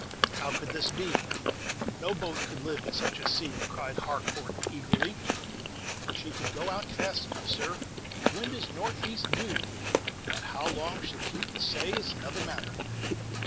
"How could this be? No boat could live in such a sea," cried Harcourt, eagerly. "She could go out fast enough, sir. The wind is northeast, due; but how long she'll keep the say is another matter."